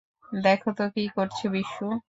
দেখো তো কী করছে, বিশু।